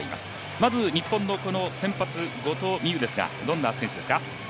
まず日本の先発後藤希友ですがどういう選手ですか。